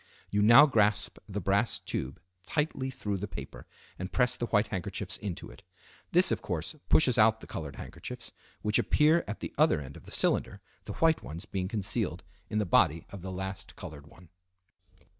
You now grasp the brass tube tightly through the paper and press the white handkerchiefs into it. This, of course, pushes out the colored handkerchiefs, which appear at the other end of the cylinder, the white ones being concealed in the body of the last colored one.